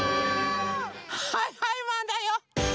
はいはいマンだよ。